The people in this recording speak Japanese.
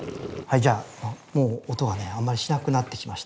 じゃあもう音がねあんまりしなくなってきました。